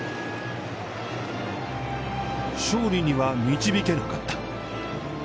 勝利には導けなかった。